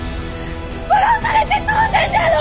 殺されて当然であろう！